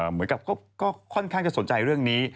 เหมือนกับก็ค่อนข้างจะสนใจเรื่องนี้